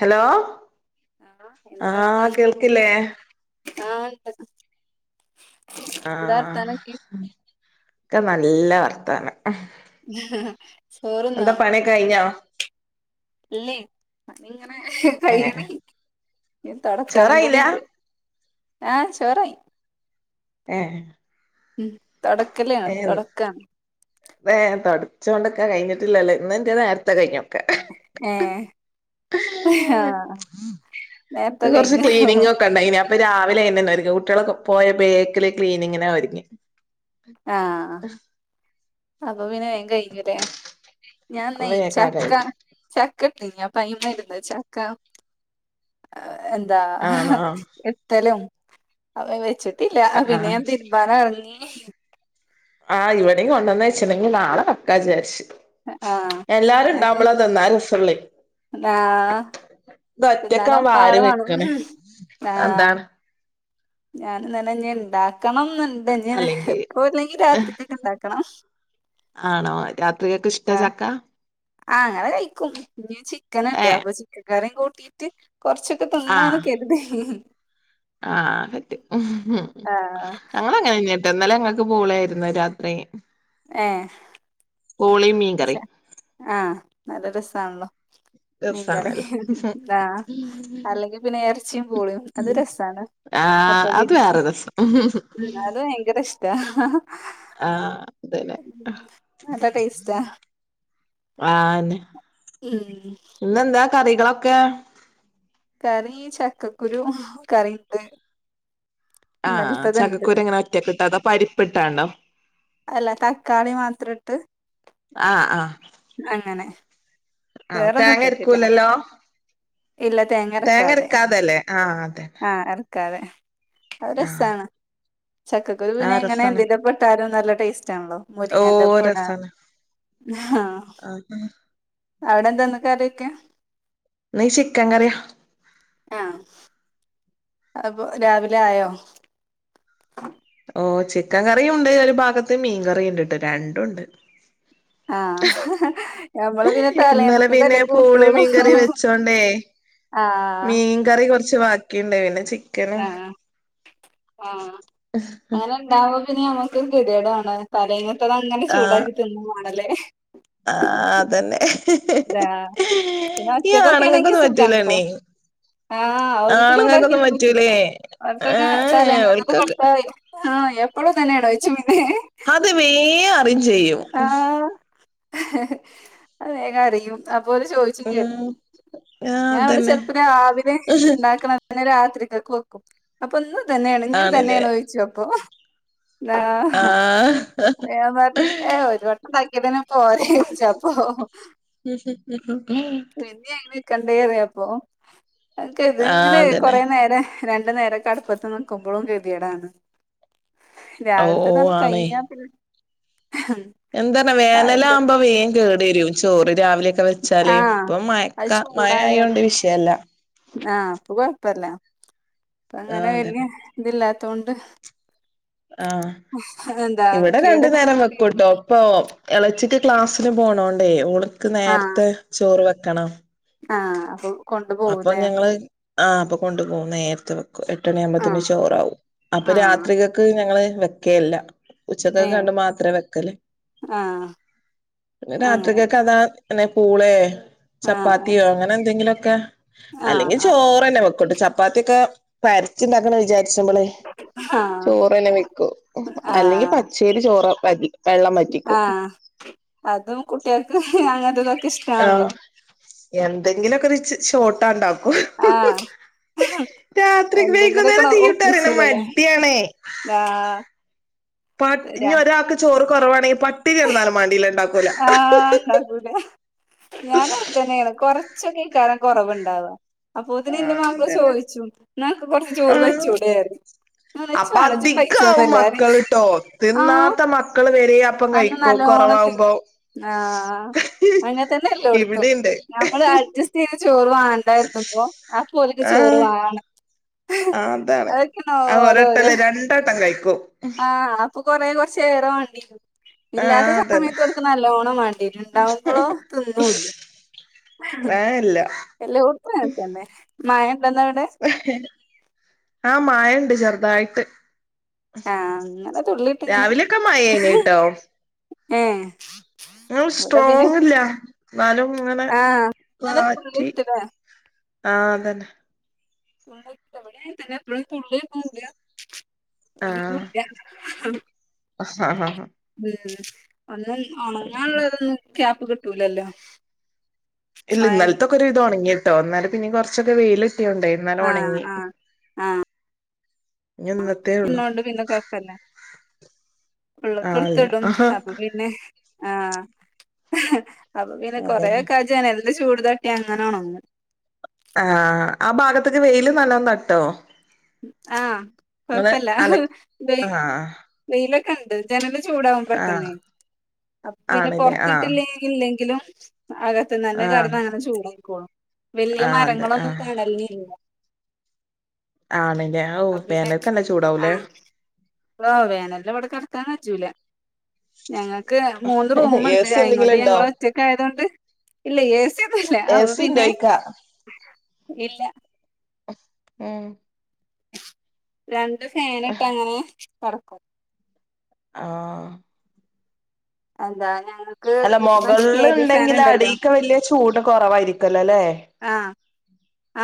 Hello ആഹ് എന്താ ആഹ് വർത്താനം കേൾക്കില്ലേ ആഹ് ണ്ട് എന്താ ആഹ വർത്താനൊക്കെ ക്ക നല്ല വർത്താനം ചോറ്ന്നോ? കയിഞ്ഞോ? ഇല്ലേ പണി ഇങ്ങനെ ഏഹ് കയ്ണ് ഇനി തൊടക്കാനു ചോറായില്ല കൂടിണ്ട് ആഹ് ചോറായി. ഏഹ് ഉ തൊടക്കല്ലാണ് തൊടക്കാണ് വെ തൊടച്ചൊണ്ട്ക്കാ കഴിഞ്ഞിട്ടില്ലലേ ഇന്നിന്റെ നേർത്തെ കഴിഞ്ഞൊക്കെ ഏഹ് ആഹ് നേരത്തെ കഴിഞ്ഞു ഹോ കണ്ടായിനി അപ്പൊ രാവിലെയ്നി കുട്ടികളക്കെ പോയ ബേക്കില് ക്ലീനിങ്ന് ഒരുങ്ങി ആഹ് അപ്പൊ പിന്നെ കഴിഞ്ഞുലെ അപ്പൊ ഞാൻന്നെയ് ചക്ക വേഗാതായി ചക്കതിന്യം പ്പയ്നാറ്ന്നു ചക്ക എന്താ ആണോ എത്തലും അപ വെച്ചി ട്ടില്ല പിന്നെ ആഹ് ഞാൻ തിരുമ്പാൻ ഇറങ്ങി ആഹ് ഇവിടേം കൊണ്ടെന്ന് വെച്ച്ണ് ഇനി നാളെ വെക്കാ വിജാരിച്ചു. ആഹ് ഞാന് എല്ലാരുണ്ടാവുമ്പള തിന്നാൻ രെസൊള്ളെയ് ആഹ് ത് ഒറ്റക്കാവുമ്പോ തിന്നാനൊക്കെ ആര് ആള് വേണം വെക്ണ് ആഹ് അതാണ്. ഞാനും തന്നെ ഞ്ഞിഇണ്ടാക്കണം ന്ന്ണ്ട് അല്ലെങ്കി ഞ്ഞിഇപ്പോ അല്ലെങ്കി രാത്രിക്കക് ഇണ്ടാക്കണം. ആണോ രാത്രികക്ക് ഇഷ്ട്ടാ ആഹ് ചക്ക ആഹ് അത് കഴിക്കും ഇനി ചിക്കൻ ഇണ്ട് ഏ അപ്പൊ ചിക്കെൻ കറീം കൂട്ടിയിട്ട് കൊർച്ചൊക്കെ തിന്നാന്ന് ആഹ് കെരുതി ആഹ് കിട്ടി ആഹ് ഞങ്ങ ല്ലട്ടോ ഇന്നലെ ഞങ്ങൾക്ക് പൂളേര്ന്നു രാത്രി ഏഹ് പൂളീ മീ സാ ആഹ് നല്ല രെസാണല്ലോ മീൻകറി രസാണല്ലോ ആഹ് അല്ലെങ്കിപിന്നെ എർച്ചിം പൂളീം അത് രെസാണ് കപ്പ ആഹ് അത് ബിരിയാണി വേറെ രസം ആഹ് അത് ഭയങ്കര ഇഷ്ട്ടാ ആഹ് അതന്നെ നല്ലടേസ്റ്റാ ആന്നെ ഉം ഇന്നെന്താ കറികളൊക്കെ? കറീ ചക്കക്കുരു കറിണ്ട്. ആഹ് ഇന്നലത്തത്ണ്ട് ചക്കക്കുരുങ്ങനെ ഒറ്റക്കിട്ടതോ അതോ പരിപ്പ്ട്ടാണോ? അല്ലതക്കാളി മാത്രട്ട് ആഹ് ആഹ് അങ്ങനെ ആഹ് തേങ്ങ വേറൊന്നുഇട്ടിട്ടില്ല. അരക്കൂലല്ലോ ഇല്ല തേങ്ങ അരക്കാതെ അരക്കാതല്ലേ ആഹ് അതെ ആഹ് എർ ക്കാതെ അത് ആഹ് രെസാണ് ചക്കക്കുരു ആഹ് പിന്നെങ്ങനെ രസാണ് എന്തിന്റെപ്പ ട്ടാലും നല്ല ടേസ്റ്റാണല്ലോ ഓ മുരിങ്ങന്റെപ്പോടാം രസാണ് ആഹ് [unintelligible] അവടെന്താന്ന് കറിക്കെ? ന്നീ ചിക്കൻങ്കറിയാ ആഹ് അതപ്പോ രാവിലെആയോ? ഓഹ് ചിക്കൻങ്കറിയുണ്ട് ഒര്ഭാഗത്ത് മീൻങ്കറിണ്ട്ട്ടോ രണ്ടുവോണ്ട്. ആഹ് ഞമ്മള് പിന്നെ ഇന്നലെപിന്നെ തലേന്നത്തതല്ലേ പൂള് കൂട്ടൊള്ളൂ മീൻങ്കറി വെച്ചോണ്ടേ ആഹ് മീൻ കറികൊറച്ച് ബാക്കിയുണ്ടായി പിന്നെ ചിക്കനും ആഹ് തമ്പോ പിന്നെ ഞമ്മക്ക് [unintelligible] തലേന്നത്താങ്ങനെ ചൂടാക്കി തിന്നുവാണെല്ലേ? ആഹ് അതന്നെ ഇതാ പിന്നെ ഈ ഒറ്റക്കൊക്കെയാണെങ്കി ആണുങ്ങക്കൊന്നും സുഖാണ് ട്ടോ പറ്റൂലണീ ആഹ് ഓൽക്ക് ആണുങ്ങക്കൊന്നും ചൂടാക്കിയൊന്നുംപറ്റൂല പറ്റൂലേ ഏ അവർക്കൊക്കെ തലേന്നത്തത് ഓൽക്കൊക്കെ കൊട്ത്താ ആഹ് എപ്പളും ഇതന്നണോയ്ച്ചും പിന്നെ അത് വേം അറിംചെയ്യും. അഹ് വേഗം അറിയും അപ്പോല് ചോയ് ച്ചും കരുതി ഉം ആ ഞാനിവടെ അതന്നെ ചെൽപം രാവിലെ ഇണ്ടാക്കണം പിന്നെ രാത്രിക്കക്ക് വെക്കും അപ്പെന്നു ഇതെന്നെണോ ആണില്ലേ ഇഞ്ഞുതെന്നെണോ ചോയ്ച്ചു. അപ്പോ ആഹ് അപ്പം ഞാൻ പറഞു ആ ഒര് വെട്ടം ഇണ്ടാക്കിയതെന്നെ പോരെ ചോയ്ച്ചും അപ്പം ഓ [unintelligible] [unintelligible] എന്നെയ അങ്ങനെ വെക്കണ്ടേറിയപ്പൊ കതി ഇങ്ങനെ അതന്നെ കൊറെ നേരം രണ്ടു നേരക്കെ അടുപ്പത്ത് നക്കുമ്പോഴും കരുതിയടാണ് ഓ രാവിലത്തതാണ് കഴിഞ്ഞ പി എന്താ വേനല ആകുമ്പോ വേം കേട് വരും ചോറ് രാവിലെെ ഒക്കെ വെച്ചാല് ആഹ് ഇപ്പൊ അത് മക്ക മഴ ആയൊണ്ട് വിഷയല്ല ആ അപ്പൊ കൊഴപ്പല്ല ആഹ് അപ്പങ്ങനെ വല്യ അതന്നെ ഇതില്ലാത്തൊണ്ട് ആ ഇവിടെ രണ്ടു നേരം കേടരുന്നള്ള പേടി വെക്കൂട്ടോ പ്പൊ ഇളച്ചിക്ക് ക്ലാസ്സിന് പോണോണ്ടേ ഓള്ക്ക് ആഹ് നേരത്തെ ചോറ് വെക്കണം ആഹ് അപ്പോ അപ്പൊ ഞങ്ങള് ആഹ് അപ്പൊ കൊണ്ടു പോകുന്ന നേരത്ത് എട്ടണി ആവുമ്പോതന്നെ ആഹ് ചോറാവും അപ്പൊ ആഹ് രാത്രികക്ക് ഞങ്ങള് വെക്കേല്ല ഉച്ചക്കൊക്കെ ഏഹ് കണ്ട മാത്രേ വെക്കലേ ആഹ് പിന്നെ അങ്ങനെ രാത്രികൊക്കെ അതാ പിന്നെ പൂളേ ചപ്പാത്തിയോ ആഹ് അങ്ങനെ എന്തെങ്കിലുമൊക്കെ അല്ലെങ്കിൽ ആഹ് ചോറ്ന്നെ വെക്കട്ട് ചപ്പാത്തിയൊക്കെ പരത്തി ഉണ്ടാക്ക വിചാരിക്ക [unintelligible] ആഹ് ചോറ്ന്നെ വെക്കൂ അല്ലെങ്കിൽ പച്ചേല് ചോറ വതിും ആ അതും കുട്ടികൾക്ക് അങ്ങനത്തെതൊക്കെ ആഹ് ഇഷ്ട്ടാണല്ലോ എന്തെങ്കിലുമൊക്കെ റിച്ച് ഷോട്ടാണ്ടാക്കും ആഹ് രാത്രിക്ക് എന്തെങ്കിലുമൊക്കെ വൈകുന്നേരം തീയൂട്ടാനെ മടിയണേ താ പട്ടി ഇനി ഒരാൾക്ക് ചോറ് കുറവാണെങ്കിൽ പട്ടിനി കെടന്നാലും മാണ്ടില്ല ഇട്ടാക്കുല ഉണ്ടാക്കൂല. ആഹ് ഉണ്ടാക്കൂല ഞാന അത് തന്നെയാണ് കൊറച്ചൊക്കെ ഇ കാരം കുറവുണ്ടാവ അപ്പൊതിന് ന്റെ ആഹ് മാപ്ല അതന്നെ ചോയിച്ചും ന്നാന്ക്ക് കൊറച്ച് ചോറ് ആഹ് വെച്ചൂടടെന്ന് അപ്പൊ അധികാവും പറിം മക്കൾട്ടോ ആഹ് തിന്നാത്ത മക്കള് വരെ പ്പം അന്ന് കഴിക്കും നല്ലോണം തിന്ന് കുറവാകുമ്പോ ആഹ് അങ്ങനെ തന്നെയല്ലോ എല്ലോട്ത്തും ഇവിടെണ്ട് നമ്മള് അഡ്ജസ്റ്റ് ചെയ്ത് ചോറ് വ ഉണ്ടായിരുന്നു പോ ആ പോലക്ക് ചോറ് വാ ആ അതാണ് അ ഓലെ ഓരോ ഒരെട്ടല്ലേ രണ്ടട്ടം കഴിക്കും ആഹ് അപ്പൊ കൊറെ കുറച്ച് ഏറെ വേണ്ടിരും ആഹ് ഇല്ലാത്ത അതന്നെ സമയത്ത് ഓൽക്ക് നല്ലോണം വേണം. എരുണ്ടാവുമ്പോളോ തിന്നുല്ല ഏഹ് ഇല്ല എല്ലോടത്തും അങ്ങനെത്തന്നെ മഴ ഉണ്ടന്നവടെ ആ മായുണ്ട് ചെറുതായിട്ട് ആഹ് ഇങ്ങനെ തുള്ളിട്ട് രാവിലൊക്കെ മയെനിട്ടോ ഉം ങ്ങ സ്ട്രോങ്ല്ല ന്നാലും ഇങ്ങനെ ആഹ് അങ്ങനെ പാറ്റി തുള്ളിട്ടതാ ആഹ്അതന്നെ പത്ത് മണി ആയാത്തെന്നെ [unintelligible] [unintelligible] ആഹ് ആഹ് ഉം ഒന്ന് ഒണങ്ങാനുള്ളതൊന്നും ക്യാപ്പ് കിട്ടൂലല്ലോ ഇല്ല മഴ ഇന്നലത്തൊക്കെ ഒരു ഇതു ഉണങ്ങിട്ടോന്നാല പിന്നെ കുറച്ചൊക്കെ വെയിയിലിട്ടിയോണ്ടേ അന്നാലം ആഹ് ഉണങ്ങി ആഹ് ആഹ് ഇനി ഇന്നത്തേള്ളു എന്നോണ്ട് പിന്നെ കുഴപ്പല്ല ആ ഉള്ളക്കെ അല്ല എടുത്ത്ടും ആഹാ അപ്പൊ പിന്നെ ആ അപ്പൊ പിന്നെ അതന്നെ കൊറേക്കെജനൽ ന്റെ ചൂട് തട്ടി അങ്ങനൊണങ്ങും ആ ആ ഭാഗത്തേക്ക് വെയില് നല്ലോ തട്ടോ ആഹ് നിങ്ങള് കൊഴപ്പല്ല അല ആ വെയിലൊക്കെ ഉണ്ട് ജനല് ചൂടാകു ആ പെട്ടന്നേ അ പിന്നെ ആണല്ലേ ആ പൊറത്തി ഇല്ലെങ്കിലും അകത്ത് നല്ല ആ കടന്ന്ങ്ങനെ ചൂടായിക്കോളും. വലിയ ആ അതെ ആ മരങ്ങളൊന്നും തടലിനില്ല ആണ്ല്ലേ ഔ അപ്പൊ വേനല്ക്ക് നല്ല ചൂടാവുല്ലേ ആ വേനൽക്ക് വ്ടെ കെടക്കാണെന്നെ കജ്ജൂല ഞങ്ങക്ക് മൂന്ന് എ റൂമ്ണ്ട് സി അയികൊണ്ട് എന്തെങ്കിലും ഉണ്ടോ ഞങ്ങള് ഒറ്റക്കായാതോണ്ട് ഇല്ല ഏസിയൊന്നുല്ല എ അപ്പൊ സി പിന്നെ ഉണ്ടോയിക്കാ ഇല്ല ഉം രണ്ട് ഫാന്ട്ട് അങ്ങനെ കടക്കും ആ അതാ ഞങ്ങ അല്ല മുകള് ണ്ടെങ്കില് അടീക്ക് വല്ല്യ ചൂട് കുറവായിരിക്കല്ലോല്ലേ ആ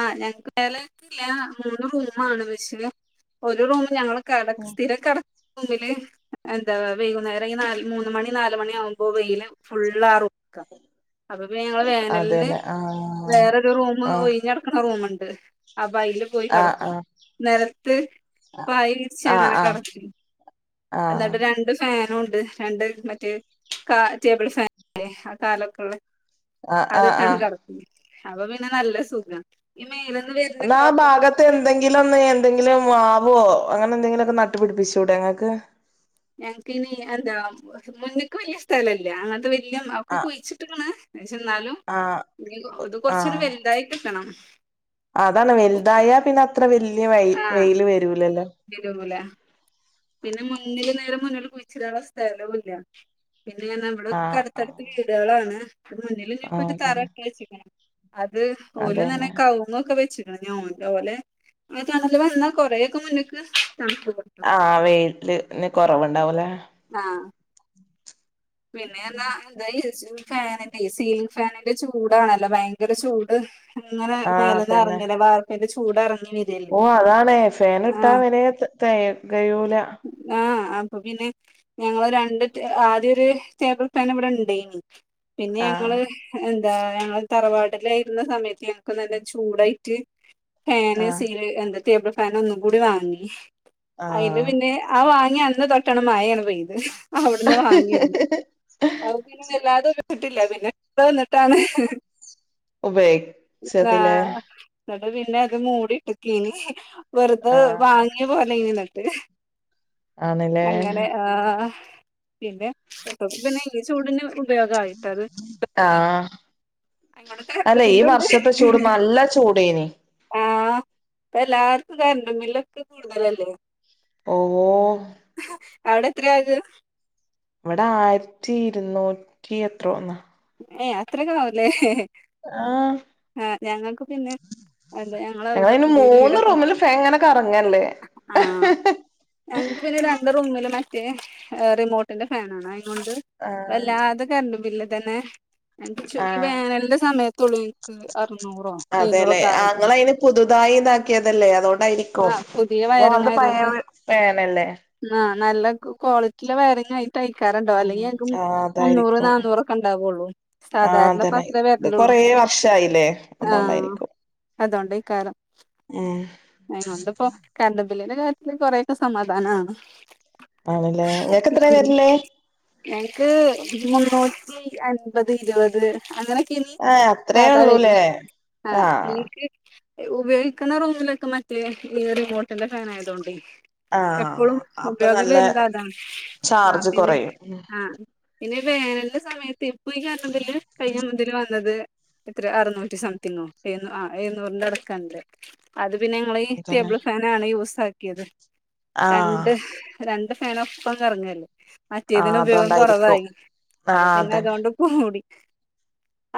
ആഹ് ഞങ്ങക്ക് മേലേക്ക്ല്ലാ മൂന്ന് റൂമോള്ളു പക്ഷേ ഒര് റൂമ് ഞങ്ങള് കട സ്ഥിരം കടക്ക ഒന്നില് എന്താ വൈകുന്നേരം ഈ നല് മൂന്ന് മണി നാല് മണിയാവുമ്പോ വെയ്ല് ഫുള്ളാ ആ റൂ ക്ക അപ്പൊ പിന്നെ ഞങ്ങള് വേനല്ന് അതെല്ലേ ആ വേറൊരു റൂമ് ആ ഒയി ടക്ക്ണ റൂമ്ണ്ട് അപ്പൊ അയ്ല് പോയി ആഹ് കടക്കും ആഹ് നെലത്ത് പായി വിരിച്ച് ആഹ് അങ്ങനെ ആഹ് കേടക്കും എന്ന്ട്ട് ആഹ് രണ്ട് ഫാനും ഉണ്ട് രണ്ട് മറ്റെ കാ ടേബിൾ ഫാനല്ലേ ആ കാലൊക്കെ ഉള്ള ആഹ് ആഹ് അതിട്ട് കാണ്ട് ആഹ് കടക്കും അപ്പൊ പിന്നെ നല്ല സുഖ ഈ മേലന്ന് വര്ന്ന കാറ്റാ എന്തെങ്കിലൊന്ന് എന്തെങ്കിലും മാവോ അങ്ങനെ എന്തെങ്കിലുക്കെ നട്ടുപ പിടിപ്പിച്ചുടെ ങ്ങൾക്ക്. ഞങ്ങക്കയ്നെ എന്താ മുന്ന്ക്ക് വല്ല്യ സ്ഥലല്ല അങ്ങനത്തെ വല്ല്യ ഒക്ക ആഹ് കുഴിച്ചിട്ട്ക്ക്ണ് ന്ന്ച്ചാ എന്നാലും ആഹ് ഇ ഇത് കൊറച്ചോര് ആഹ് വല്തായി കിട്ടണം അതാണ് വല്തായാ പിന്നെ അത്ര വല്യ വെയ് വെയ്ല് വരൂലല്ലോ തിരാവൂലെ പിന്നെ മുന്നില് നേരെ മുന്നില് കുഴിച്ചിടാള്ള സ്ഥലോല്ല പിന്നെ ആഹ് നമ്മള്ക്കട ആഹ് അപ്പറത്ത് വീടാളാണ് ഒന്നില് ഇപ്പൊ ആഹ് തറ അതന്നെ ഇട്ട് വെച്ച്ണ് അത് ഓല്ങ്ങനെ അതെന്നെ കൌ ക്കെ വെച്ച്ണ് ഇഞ് ഓലെ തണൽ വന്ന കൊറേ ഒക്കെ മുന്നക്ക് ആഹ് വെയില്ന് കൊറവ്ണ്ടാവും ലെ ആ പിന്നെറ്ഞ്ഞാ [unintelligible] യൂസ് ഈ ഫാനിന്റെ സീലിങ് ഫാനിന്റെ ചൂടാണല്ലോ ഭയങ്കര ചൂട് അങ്ങനെ ആഹ് മേലേ കറങ്ങലാ മേലന്ന് വാർപ്പിന്റെ ചൂട് എറങ്ങി വെ ഓ അതാണേ ഫൻ ഇട്ടാ വരെ തകയ്യൂല ആഹ അപ്പൊ പിന്നെ ഞങ്ങള് രണ്ട് ആദ്യ ഒരു ടേബിൾ ഫാൻ ഇവിടെ ഉണ്ടേനി പിന്നെ ആഹ് ഞങ്ങള് എന്താ ഞങ്ങളെ തറവാടിലായിരുന്ന സമയത്ത് ഞങ്ങക്ക് നല്ല ചൂടായിട്ട് ഫാന് ആഹ് സീല് എന്താ ടേബിൾ ഫാൻ ഒന്നും കൂടി വാങ്ങി അയ്ല് ആഹ് പിന്നെ അത് വാങ്ങിയ അന്ന് തൊട്ടാണ്ട് മഴാണ്ട് പെയ്ത് അവിട്ന്ന് വാങ്ങിയന്ന് അത്പിന്നെ വല്ലാതെ ഉപയോഗിച്ചിട്ടില പിന്നെ ഇക്ക വന്നിട്ടാണ് ഏ ഉപയോഗിച്ചതിലേ ഇന്നട്ട് പിന്നെ ഇത് മൂടിട്ടേക്കെനി വെറ്തെ ആഹ് വാ ങ്ങി പോരലേയ്നി ഇന്നട്ട് ആണ്ല്ലേ അങ്ങനെ ആഹ് പിന്നെ ഇപ്പപിന്നെ ഈ ചൂടിന് ഉപയോഗായിട്ടത് ആഹ് അതോണ്ട് കരണ്ടു അല്ല ഈ ബില്ലുണ്ട് വർഷത്തെ ചൂട് നല്ല ചൂടേനി ആഹ ഇപ്പ എല്ലാർക്കും കരണ്ടു ബില്ലക്കെ കൂടുതലല്ലേ. ഓ ഓ അവിടെ എത്ര ആയത് ഇവിടെ ആയിരത്തി ഇരുന്നൂറ്റി എത്രോന്ന് ഏ അത്രക്കെ ആവൂല്ലേ ആഹ് ആഹ് ഞങ്ങക്ക് പിന്നെ അതെ അ ഞ ഞങ്ങള അയിന് മൂന്ന് റൂമില് ഫാൻ ങ്ങനെ കറങ്ങല്ലേ ആഹ് ഞങ്ങക്ക് പിന്നെ രണ്ട് റൂമില് മറ്റേ റിമോട്ടിന്റെ ഫാൻ ആണ് അയിനോണ്ട് ആഹ് വല്ലാതെ കറന്റ് ബില്ല് തന്നെ. ഞങ്ങക്ക് ചു ഈ ആഹ് വേനലിന്റെ സമയത്തുള്ളൂ എനിക്ക് അറുന്നൂറോ അതെല്ലേ എഴുന്നൂറൊക്കെ ആഹ് ആയത് ഇങ്ങളയിന് പുതുതായി ഇതാക്കിയതല്ലേ അതുകൊണ്ടായിരിക്കും ആഹ് പുതിയ ഓള്ത പഴയ ഫാൻ അല്ലെ? ആ നല്ല ക്വാളിറ്റിയിലെ വയറിങ്ങ് ആയിട്ടേക്കാരം ടോ ഉം അല്ലെങ്കിൽ അന്ക്ക് ആഹ് മുന്നൂറ്, അതായിരിക്കും നന്നൂറ് ണ്ടാവുള്ളു ആഹ് സാധാരണ പ്പ അതന്നെ അത്രെ ഇത് വരല്ലള്ളൂ കൊറേ വർഷായില്ലേ ആഹ് അതോണ്ടായിരിക്കും അതോണ്ടയികാരം [unintelligible] അത് കൊണ്ട് ഇപ്പൊ കറന്റ്‌ ബില്ലിന്റെ കാര്യത്തില് കൊറെയൊക്കെ സമാധാനമാണ് ആണല്ലേ ഇങ്ങക്ക് എത്ര വരല് ഞങ്ങക്ക് മുന്നൂറ്റി അൻപത് ഇരുപത് അങ്ങനെ ഇനി ഏഹ് അത്രേ അതാ വരുന്നേ ഉള്ളൂല്ലേ ആഹ് നിങ്ങക്ക് ഉപയോഗിക്കുന്ന റൂമിലൊക്കെ മറ്റേ ഈ റിമോട്ടിന്റെ ഫാൻ ആയതോണ്ടെ എപ്പളും ആഹ് അപ്പൊ ഉപയോഗം നല്ല വരുന്നത് അതാണ് ആഹ് ചാർജ് പിന്നെ കൊറയും ഉം ആഹ് പിന്നെ വേനലിന്റെ സമയത്ത് ഇപ്പ ഈ കറന്റ്‌ ബില്ല് കഴിഞ്ഞ ഇതിൽ വന്നത് എത്ര അറുന്നൂറ്റി സംതിങ്ങോ എഴ് ആഹ് എഴുന്നൂറിന്റെ അട്ക്കണ്ട് അത് പിന്നെ ഞങ്ങള് അതന്നെ ടേബിൾ ഫാനാണ് യൂസ് ആക്കിയത് ആഹ് രണ്ട് രണ്ട് ഫാൻ ഒപ്പം കറങ്ങല്ലേ മറ്റേതിന് ആഹ് ഉപയോഗം അതുകൊണ്ടായിരിക്കും കുറവായി അപ്പൊ ആഹ് പിന്നെ അതന്നെ അതുകൊണ്ട് കൂടി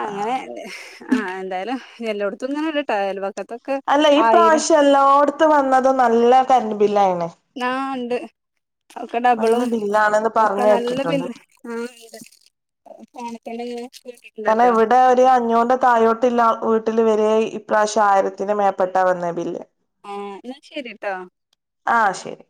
അങ്ങനെ ആഹ് ആഹ് എന്തായാലും എല്ലോടത്തും ഇങ്ങനെ അല്ലട്ടെ അയൽവ അല്ല ഈ പ്രാവശ്യം എല്ലാടത്തും വന്നതും നല്ല കറന്റ്‌ ബില്ല് ആയിണ് ആഹ് ഇണ്ട് ഒക്കെ നല്ല ഡബിളും ബില്ലാണെന്ന് ഒക്കെ പറഞ്ഞ് നല്ല കേട്ടിട്ടുണ്ട് ബില്ല് ആഇണ്ട് [unintelligible] കാരണം ഇവിടെ ഒരു അഞ്ഞൂറിന്റെ താഴോ [unintelligible] വീട്ടില് വരെ ഇപ്രാവശ്യ ആയിരത്തിന് മേപ്പെട്ടാ വന്ന ബില്ല് ആഹ് എന്നാ ശരിട്ടോ ആഹ് ശരി